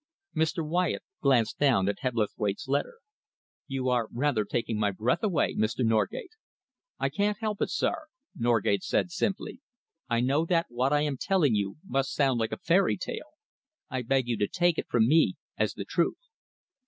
Mr. Wyatt glanced down at Hebblethwaite's letter. "You are rather taking my breath away, Mr. Norgate!" "I can't help it, sir," Norgate said simply. "I know that what I am telling you must sound like a fairy tale. I beg you to take it from me as the truth."